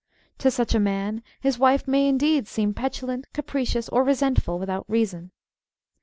To such a man his wife may indeed seem petulant, capricious, or resentful without reason.